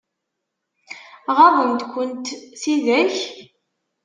Ɣaḍent-kent tidak?